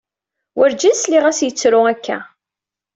Wurǧin sliɣ-as yettru akka.